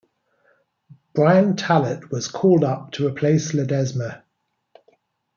Brian Tallet was called up to replace Ledezma.